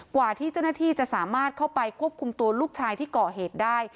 กว่าที่เจ้าหน้าที่จะสามารถเข้าไปควบคุมตัวลูกชายที่ก่อเหตุได้